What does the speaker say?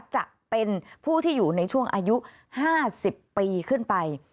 จะเป็นผู้ที่อยู่ในช่วงอายุ๕๐ปีขึ้นไป